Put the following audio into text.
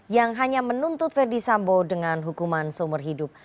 yang hanya menuntut verdi sambo dengan hukuman seumur hidup